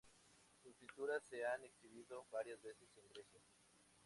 Sus pinturas se han exhibido varias veces en Grecia.